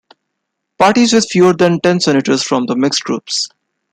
Parties with fewer than ten senators form the Mixed Group.